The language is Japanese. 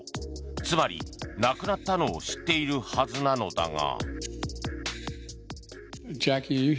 つまり亡くなったのを知っているはずなのだが。